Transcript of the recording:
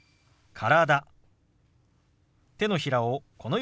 「体」。